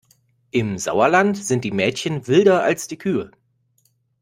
Im Sauerland sind die Mädchen wilder als die Kühe.